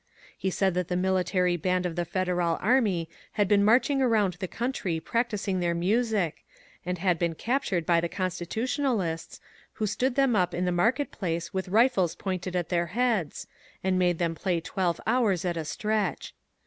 He said that the military band of the Federal army had been marching around the country practicing their music, and had been captured by the Constitutionalists, who stood them up in the market place with rifles pointed 8 ON THE BORDER at their heads, and made them play twelve hours at a stretch.